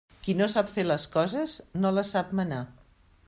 Qui no sap fer les coses, no les sap manar.